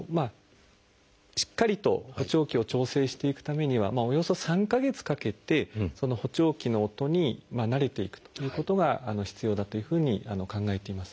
しっかりと補聴器を調整していくためにはおよそ３か月かけて補聴器の音に慣れていくということが必要だというふうに考えています。